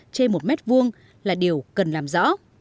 trên một mét vuông là điều cần làm rõ